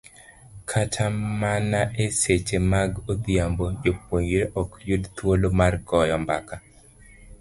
Kata mana e seche mag odhiambo, jopuonjre ok yud thuolo mar goyo mbaka